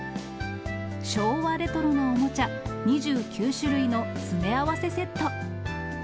昭和レトロなおもちゃ２９種類の詰め合わせセット。